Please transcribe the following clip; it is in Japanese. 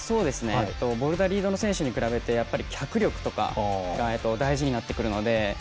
ボルダー＆リードの選手に比べて、脚力とかが大事になってくるので。